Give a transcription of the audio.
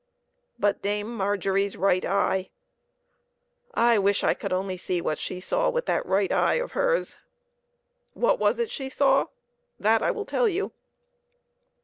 But Dame Margery's right eye! I wish I could only see what she saw with that right eye of hers ! What was it she saw ? That I will tell you.